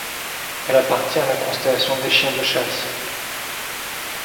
Elle appartient à la constellation des Chiens de chasse.